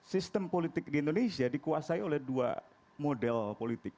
sistem politik di indonesia dikuasai oleh dua model politik